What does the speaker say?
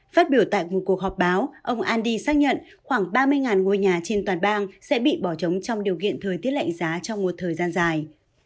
phát biểu tại một cuộc họp báo ông andi xác nhận khoảng ba mươi ngôi nhà trên toàn bang sẽ bị bỏ trống trong điều kiện thời tiết lạnh giá trong một thời gian dài